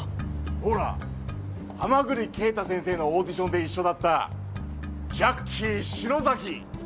ほら浜栗圭太先生のオーディションで一緒だったジャッキー篠崎！